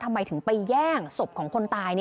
ทำไมถึงไปแย่งศพของคนตาย